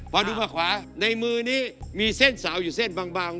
พอดูภาพขวาในมือนี้มีเส้นสาวอยู่เส้นบาง